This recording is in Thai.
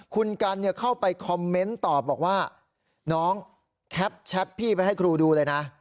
คุณกันเข้าไปคอมเมนต์ตอบบอกว่าน้องแคปแชทพี่ไปให้ครูดูเลยนะ